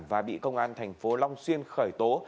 và bị công an thành phố long xuyên khởi tố